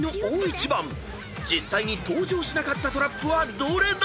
［実際に登場しなかったトラップはどれだ⁉］